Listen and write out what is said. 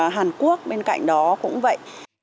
hàn quốc bên cạnh đó cũng vậy